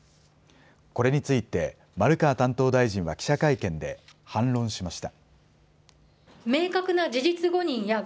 これについて、丸川担当大臣は記者会見で反論しました。